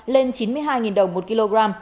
lên chín mươi hai đồng một kg